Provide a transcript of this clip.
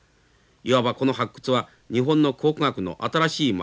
いわばこの発掘は日本の考古学の新しい幕開けでもあったのです。